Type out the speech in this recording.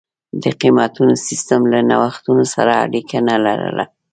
د قېمتونو سیستم له نوښتونو سره اړیکه نه لرله.